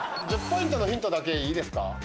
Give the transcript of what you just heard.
１０ポイントのヒントだけいいですか？